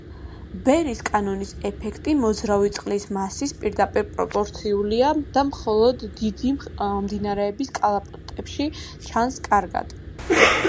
ბერის კანონის ეფექტი მოძრავი წყლის მასის პირდაპირპროპორციულია და მხოლოდ დიდი მდინარეების კალაპოტებში ჩანს კარგად.